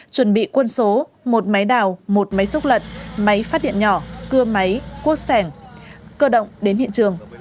chuẩn bị quân số một máy đào một máy xúc lật máy phát điện nhỏ cưa máy cuốc sẻng cơ động đến hiện trường